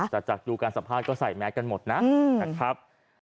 แต่จากดูการสัมภาษณ์ก็ใส่แมสกันหมดนะครับ